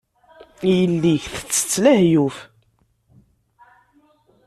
Yelli-k tettess lehyuf.